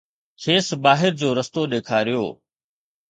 کيس ٻاهر جو رستو ڏيکاريو